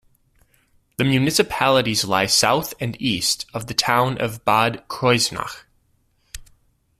The municipalities lie south and east of the town of Bad Kreuznach.